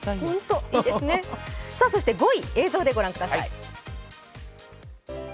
さあ、５位、映像で御覧ください。